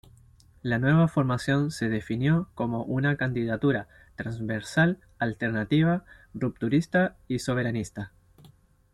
La nueva formación se definió como una candidatura "transversal, alternativa, rupturista y soberanista".